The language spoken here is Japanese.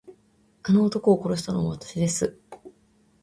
あの男を殺したのはわたしです。